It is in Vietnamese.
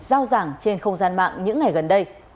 giao giảng trên không gian mạng những ngày gần đây